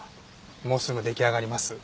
もうすぐ出来上がります。